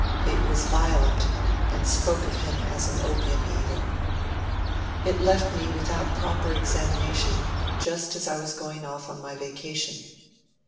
It was violent, and spoke of him as an opium eater. It was left by me without proper examination just as I was going off on my vacation.